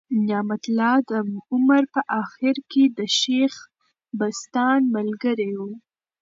نعمت الله د عمر په آخر کي د شېخ بستان ملګری ؤ.